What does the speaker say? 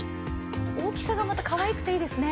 大きさがかわいくていいですね。